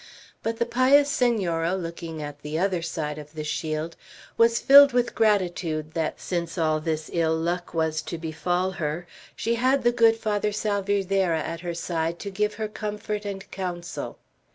But the pious Senora, looking at the other side of the shield, was filled with gratitude that, since all this ill luck was to befall her, she had the good Father Salvierderra at her side to give her comfort and counsel.